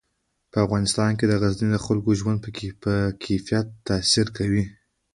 په افغانستان کې غزني د خلکو د ژوند په کیفیت تاثیر کوي.